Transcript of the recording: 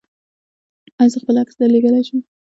ایا زه خپل عکس درلیږلی شم؟